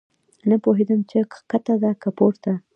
نه پوهېدم چې کښته تله که پورته.